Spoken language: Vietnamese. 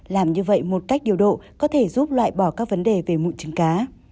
làm như vậy một cách điều độ có thể giúp loại bỏ các vấn đề về mụn trứng cá